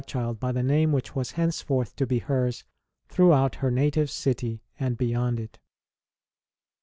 ROSE S CHILDHOOD 45 by the name which was henceforth to be hers throughout her native city, and beyond it.